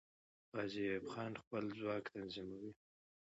غازي ایوب خان خپل ځواک تنظیموي.